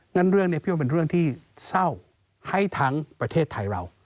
งั้นเรื่องนี้พี่ว่าเป็นเรื่องที่เศร้าให้ทั้งประเทศไทยเรา